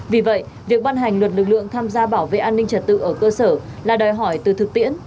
vì vậy việc ban hành luật lực lượng tham gia bảo vệ an ninh trật tự ở cơ sở là đòi hỏi từ thực tiễn